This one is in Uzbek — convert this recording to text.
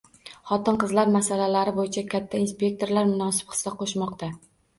Xotin-qizlar masalalari bo'yicha katta inspektorlar munosib hissa qo'shmoqda